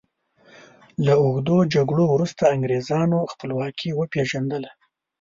له اوږدو جګړو وروسته انګریزانو خپلواکي وپيژندله.